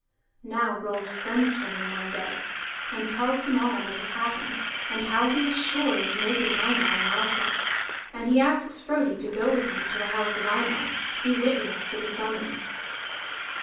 Now Rolf sends for him one day, and tells him all that had happened, and how he was sure of making Einar an outlaw. And he asks Frodi to go with him to the house of Einar, to be witness to the summons.